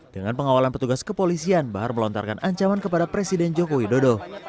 dengan pengawalan petugas kepolisian bahar melontarkan ancaman kepada presiden joko widodo